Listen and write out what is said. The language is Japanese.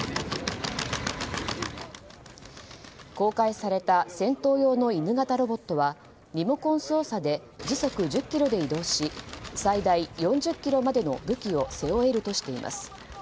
公開された戦闘用の犬型ロボットはリモコン操作で時速１０キロで移動し最大４０ｋｇまでの武器を背負えるとしています。